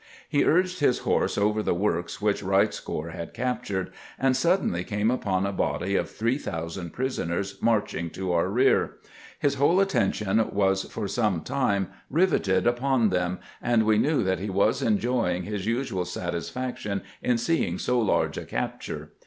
He urged his horse over the works which Wright's corps had captured, and suddenly came upon a body of 3000 prisoners marching to our rear. His whole attention was for some time riveted upon them, and we knew that he was enjoying his usual satisfaction in seeing so large a capture.